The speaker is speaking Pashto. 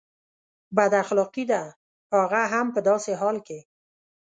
بد اخلاقي ده هغه هم په داسې حال کې.